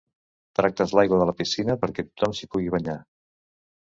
Tractes l'aigua de la piscina perquè tothom s'hi pugui banyar.